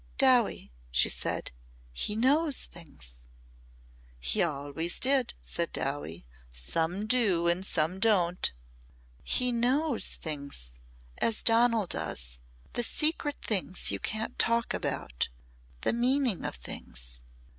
"Dowie," she said. "He knows things." "He always did," said Dowie. "Some do and some don't." "He knows things as Donal does. The secret things you can't talk about the meaning of things."